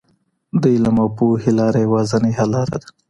د علم او پوهې لاره یوازینۍ حل لاره ده.